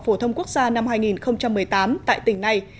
phổ thông quốc gia năm hai nghìn một mươi tám tại tỉnh này